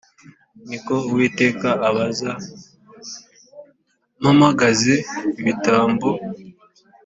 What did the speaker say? Ni ko Uwiteka abaza“Mpamagaze ibitambo